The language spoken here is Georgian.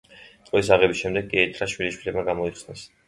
ტროის აღების შემდეგ კი ეთრა შვილიშვილებმა გამოიხსნეს.